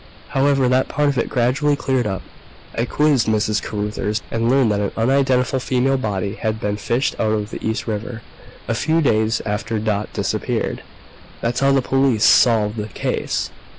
"However, that part of it gradually cleared up. I quizzed Miss Carruthers, and learned that an unidentified female body had been fished out of the East River a few days after Dot disappeared. That's how the police 'solved' the case.